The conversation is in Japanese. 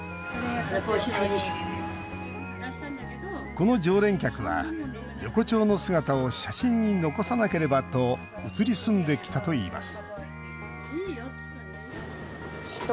この常連客は、横丁の姿を写真に残さなければと移り住んできたといいます